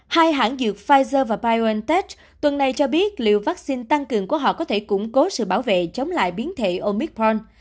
hai hãng dược pfizer và biontech tuần này cho biết liệu vaccine tăng cường của họ có thể củng cố sự bảo vệ chống lại biến thể omicron